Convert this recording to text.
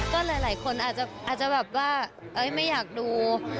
ก็หลายคนอาจจะแบบว่าไม่อยากดู